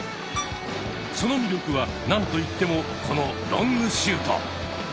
その魅力は何と言ってもこのロングシュート！